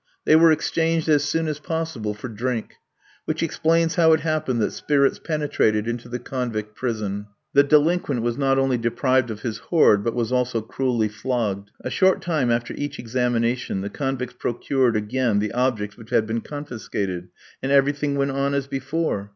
They were exchanged as soon as possible for drink, which explains how it happened that spirits penetrated into the convict prison. The delinquent was not only deprived of his hoard, but was also cruelly flogged. A short time after each examination the convicts procured again the objects which had been confiscated, and everything went on as before.